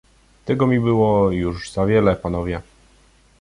"Tego mi było już za wiele, panowie!"